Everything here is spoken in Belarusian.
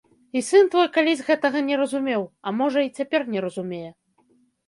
І сын твой калісь гэтага не разумеў, а можа, і цяпер не разумее.